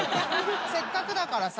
せっかくだからさ。